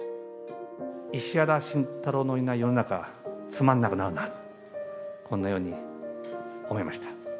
石原慎太郎のいない世の中、つまんなくなるな、こんなように思いました。